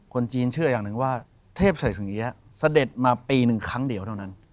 คนจีนเชื่ออย่างหนึ่งว่าเทพเชิญเจ้าเสกสิงเกียสะเด็ดมาปีหนึ่งครั้งเดียวเท่านั้น